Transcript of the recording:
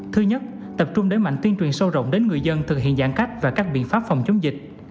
thứ nhất tập trung đẩy mạnh tuyên truyền sâu rộng đến người dân thực hiện giãn cách và các biện pháp phòng chống dịch